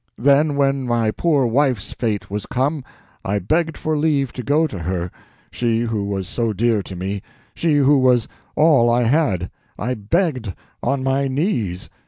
Then when my poor wife's fate was come, I begged for leave to go to her—she who was so dear to me—she who was all I had; I begged on my knees.